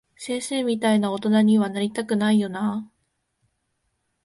先生みたいな大人には、なりたくないよなぁ。